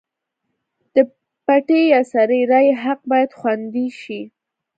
د پټې یا سري رایې حق باید خوندي شي.